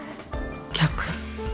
逆？